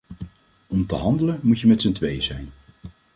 Om te handelen moet je met z'n tweeën zijn.